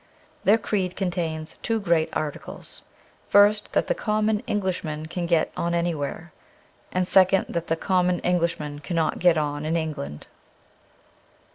Their creed contains two great articles : first, that the common English man can get on anywhere ; and second, that the common Englishman cannot get on in England.